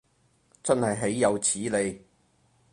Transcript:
真係豈有此理